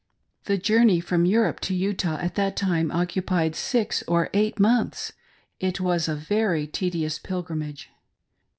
The journey from Europe to Utah at that time occupied six or eight months ; it was a very tedious pilgrimage.